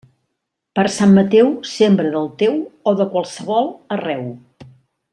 Per Sant Mateu, sembra del teu o de qualsevol, arreu.